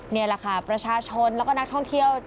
นี่แหละค่ะประชาชนแล้วก็นักท่องเที่ยว